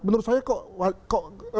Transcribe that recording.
menurut saya kok